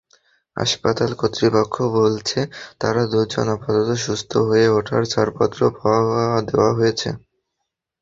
হাসপাতাল কর্তৃপক্ষ বলছে, তাঁরা দুজন আপাতত সুস্থ হয়ে ওঠায় ছাড়পত্র দেওয়া হয়েছে।